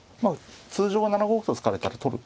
通常は７五歩と突かれたら取る。